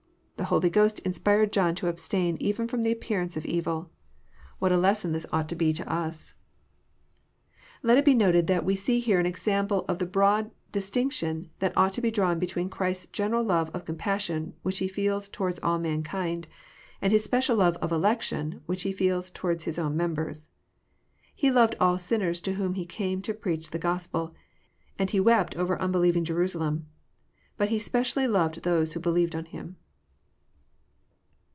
The Holy Ghost inspired John to abstain even ftom the appearance of evil. What a lesson this ought to be to us I Let it be noted that we see here an example of the broad dis* tinction that ought to be drawn between Christ's general love of compassion which He feels towards all mankind, and His special love of election which He feels towards His own mem bers. He loved all sinners to whom He came to preach the Gos pel, and He wept over unbelieving Jerusalem. But He specially loved those who believed on Him.